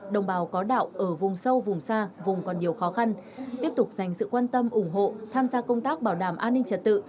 đồng bào có đạo ở vùng sâu vùng xa vùng còn nhiều khó khăn tiếp tục dành sự quan tâm ủng hộ tham gia công tác bảo đảm an ninh trật tự